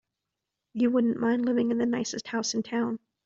You wouldn't mind living in the nicest house in town.